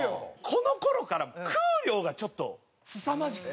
この頃から食う量がちょっとすさまじくて。